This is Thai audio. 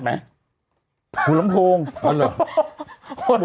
ฟังลูกครับ